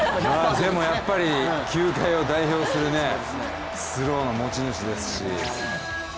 でもやっぱり球界を代表するスローの持ち主ですし。